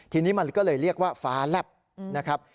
ทีนี้มันก็เลยเรียกว่าฟ้าแลบนะครับ